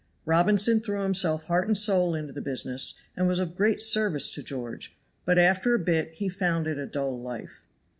Robinson threw himself heart and soul into the business, and was of great service to George; but after a bit he found it a dull life.